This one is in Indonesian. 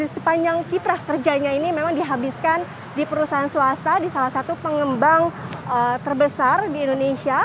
sepanjang kiprah kerjanya ini memang dihabiskan di perusahaan swasta di salah satu pengembang terbesar di indonesia